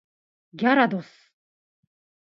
ギャラドス